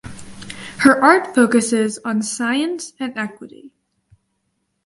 Her art focuses on science and equity.